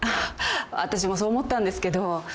私もそう思ったんですけど。